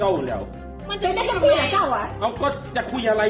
อาหารที่สุดท้าย